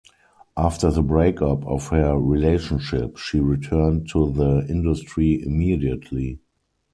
After the breakup of her relationship she returned to the industry immediately.